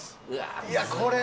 いやこれな。